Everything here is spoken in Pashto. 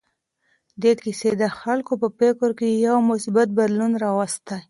دې کیسې د خلکو په فکر کې یو مثبت بدلون راوستی.